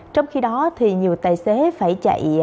trong khi đó nhiều tài xế phải chạy